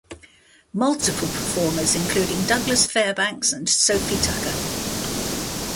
Multiple performers including Douglas Fairbanks and Sophie Tucker.